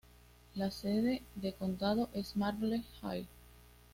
La sede de condado es Marble Hill.